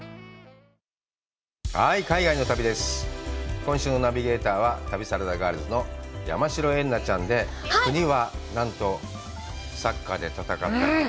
今週のナビゲーターは旅サラダガールズの山代エンナちゃんで、国は何と、サッカーで戦った。